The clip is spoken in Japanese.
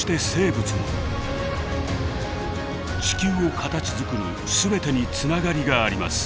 地球を形づくる全てにつながりがあります。